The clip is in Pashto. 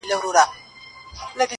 قاضي و ویل حاضر کئ دا نا اهله-